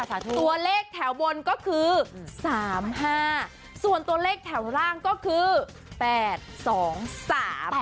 ตัวเลขแถวบนก็คือ๓๕ส่วนตัวเลขแถวล่างก็คือ๘๒๓